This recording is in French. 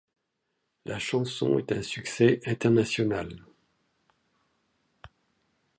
La chanson est un succès international.